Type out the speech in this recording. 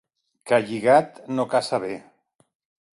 Ca lligat no caça bé.